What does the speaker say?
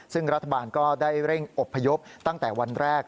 ซึ่งรัฐบาลก็ได้เร่งอบพยพตั้งแต่วันแรก